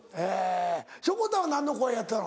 しょこたんは何の声やってたの？